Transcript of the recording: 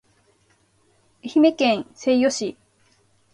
愛媛県西予市